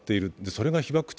それが被爆地